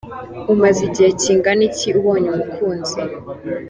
Umaze igihe kingana iki ubonye umukunzi ?.